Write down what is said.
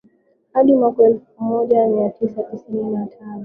Hadi mwaka wa elfu moja mia tisa tisini na tano